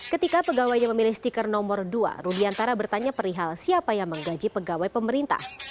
ketika pegawainya memilih stiker nomor dua rudiantara bertanya perihal siapa yang menggaji pegawai pemerintah